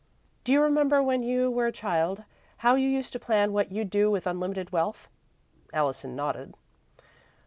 "Do you remember, when you were a child, how you used to plan what you'd do with unlimited wealth?" Allison nodded.